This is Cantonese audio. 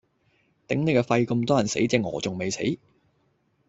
頂你個肺，咁多人死隻鵝仲未死